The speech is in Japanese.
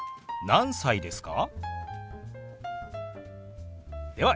何歳ですか？